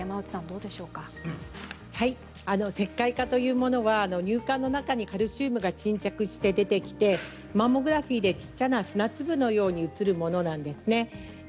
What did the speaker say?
石灰化というのは乳管の中にカルシウムが沈着して出てきてマンモグラフィーで小さな砂粒のように映るものなんです。